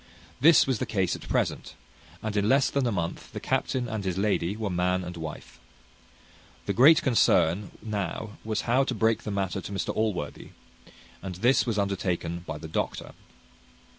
This was the case at present, and in less than a month the captain and his lady were man and wife. The great concern now was to break the matter to Mr Allworthy; and this was undertaken by the doctor.